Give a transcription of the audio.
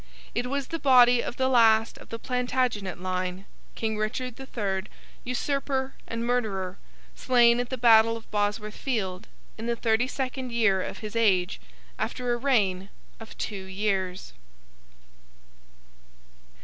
It was the body of the last of the Plantagenet line, King Richard the Third, usurper and murderer, slain at the battle of Bosworth Field in the thirty second year of his age, after a reign of two years.